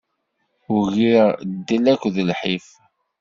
Ugiɣ ddel akked lḥif.